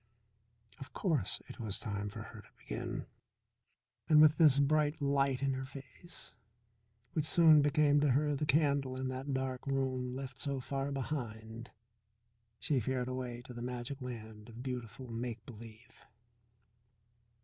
Of course it was time for her to begin. And with this bright light in her face, which soon became to her the candle in that dark room left so far behind, she fared away to the magic land of beautiful make believe.